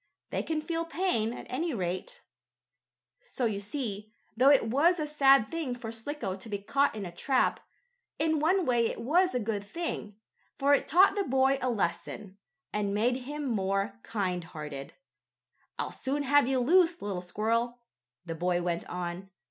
They can feel pain, at any rate. So you see, though it was a sad thing for Slicko to be caught in a trap, in one way it was a good thing, for it taught the boy a lesson, and made him more kind hearted. "I'll soon have you loose, little squirrel," the boy went on.